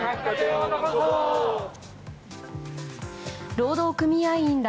労働組合員ら